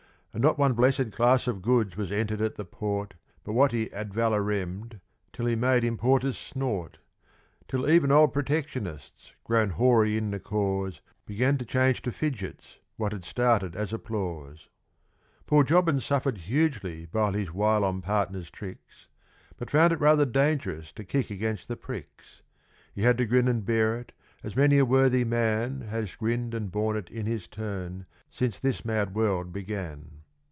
And not one blessed class of goods was entered at the port, But what he advaloremed till he made importers snort; Till even old Protectionists, grown hoary in the cause, Began to change to fidgets what had started as applause. Poor Jobbins suffered hugely by his whilom partner's tricks, But found it rather dangerous to kick against the pricks; He had to grin and bear it, as many a worthy man Has grinned and borne it in his turn since this mad world began.